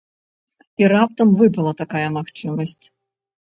І раптам выпала такая магчымасць.